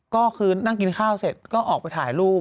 ก็คือนั่งกินข้าวเสร็จก็ออกไปถ่ายรูป